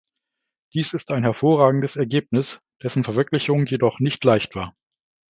Dies ist ein hervorragendes Ergebnis, dessen Verwirklichung jedoch nicht leicht war.